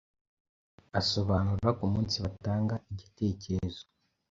asobanura kumunsi batanga igitekerezo